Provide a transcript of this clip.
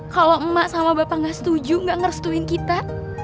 kalau emak dan bapak tidak setuju tidak merestuin kita